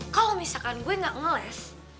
kalau misalkan gue gak ngeles